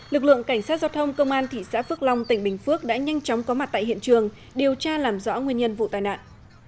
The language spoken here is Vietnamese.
lực lượng cảnh sát giao thông công an thị xã phước long tỉnh bình phước đã nhanh chóng có mặt tại hiện trường điều tra làm rõ nguyên nhân vụ tai nạn